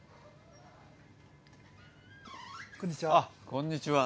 こんにちは。